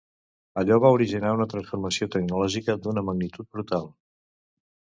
Allò va originar una transformació tecnològica d’una magnitud brutal.